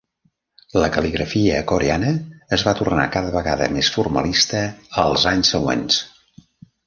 La cal·ligrafia coreana es va tornar cada vegada més formalista als anys següents.